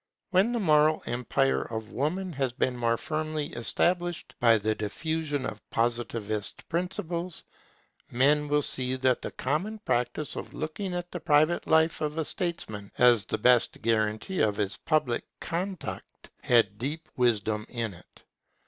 When the moral empire of Woman has been more firmly established by the diffusion of Positivist principles, men will see that the common practice of looking to the private life of a statesman as the best guarantee of his public conduct had deep wisdom in it.